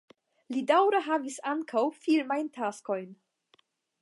Li daŭre havis ankaŭ filmajn taskojn.